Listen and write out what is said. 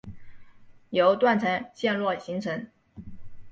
由断层陷落形成。